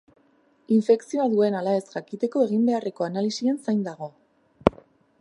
Infekzioa duen ala ez jakiteko egin beharreko analisien zain dago.